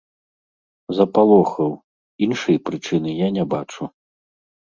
Запалохаў, іншай прычыны я не бачу.